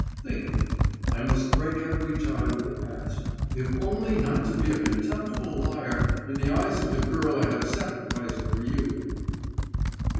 Think of it, I must break every tie with the past, if only not to be a contemptible liar in the eyes of the girl I have sacrificed for you!